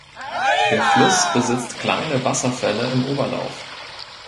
Der Fluss besitzt kleine Wasserfälle im Oberlauf.